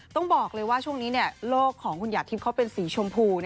ต้องบอกเลยว่าช่วงนี้โลกของคุณหยาดทิพย์เขาเป็นสีชมพู